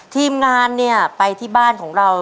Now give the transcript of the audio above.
ทีมงานเนี่ยไปที่บ้านของเรา